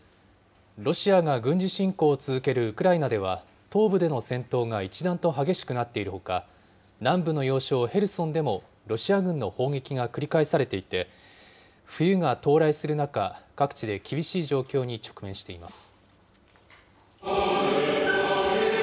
ロシアが軍事侵攻を続けるウクライナでは、東部での戦闘が一段と激しくなっているほか、南部の要衝ヘルソンでも、ロシア軍の砲撃が繰り返されていて、冬が到来する中、各地で厳しい状況に直面しています。